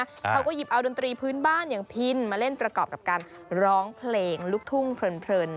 เขาก็หยิบเอาดนตรีพื้นบ้านอย่างพินมาเล่นประกอบกับการร้องเพลงลูกทุ่งเพลิน